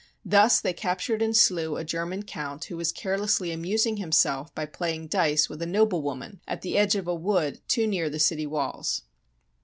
Thus they captured and slew a German count who was carelessly amusing himself by playing dice with a noble woman at the edge of a wood too near the city walls.